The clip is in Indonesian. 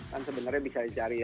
kan sebenarnya bisa dicari